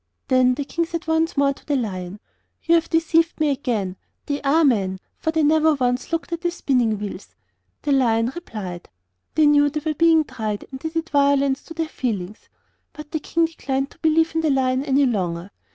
Then the King said once more to the Lion: 'You have deceived me again; they are men, for they never once looked at the spinning wheels.' The Lion replied: 'They knew they were being tried, and they did violence to their feelings.' But the King declined to believe in the Lion any longer.